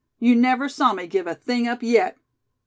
You never saw me give a thing up yet."